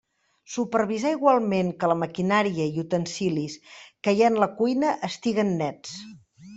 Supervisar igualment que la maquinària i utensilis que hi ha en la cuina estiguen nets.